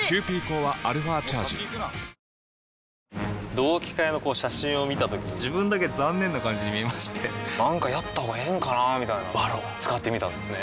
同期会の写真を見たときに自分だけ残念な感じに見えましてなんかやったほうがええんかなーみたいな「ＶＡＲＯＮ」使ってみたんですね